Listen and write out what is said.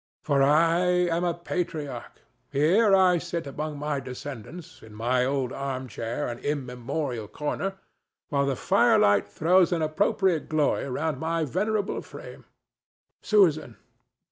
For I am a patriarch. Here I sit among my descendants, in my old arm chair and immemorial corner, while the firelight throws an appropriate glory round my venerable frame.—Susan!